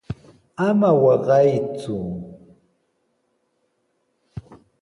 ¡Ama waqayku!